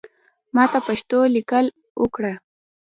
ماته پښتو لیکل اوکړه